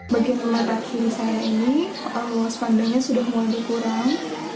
bagian kemarin akhir saya ini sepandangnya sudah mulai dikurang